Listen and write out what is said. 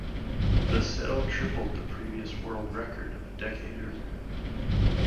The sale tripled the previous world record of a decade earlier.